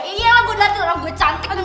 iya lah gue ngeliatin orang gue cantik